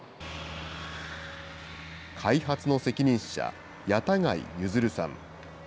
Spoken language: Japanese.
開発の責任者、矢田貝弦さん。